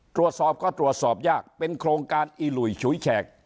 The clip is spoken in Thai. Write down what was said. ตรวจสอบก็ตรวจสอบยากเป็นโครงการอีหลุยฉุยแฉก